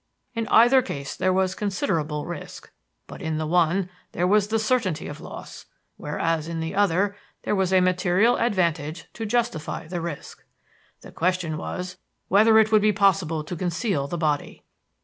In either case there was considerable risk, but in one there was the certainty of loss, whereas in the other there was a material advantage to justify the risk. The question was whether it would be possible to conceal the body.